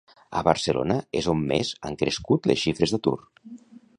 A Barcelona és on més han crescut les xifres d'atur.